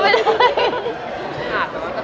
ก็ต้องรอรวมเลยจริง